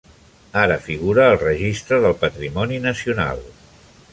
Ara figura al registre del patrimoni nacional.